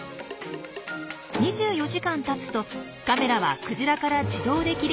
２４時間たつとカメラはクジラから自動で切り離されて浮上。